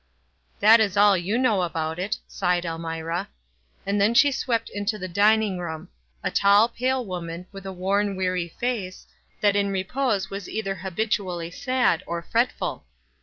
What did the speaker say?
"That is all you know about it," sighed El mira. And then she swept into the dining room — a tall, pale woman, with a worn, weary face, that in repose was either habitually sad or fretful.